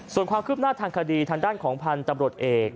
ส่วนความคืบหน้าทางคดีทางด้านของพันธุ์ตำรวจเอก